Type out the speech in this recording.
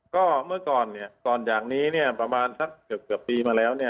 ก็เมื่อก่อนตอนอย่างนี้ประมาณสักเกือบปีมาแล้ว